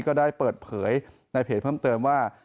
ก็ได้เปิดเผยในเพจเพิ่มเติมว่า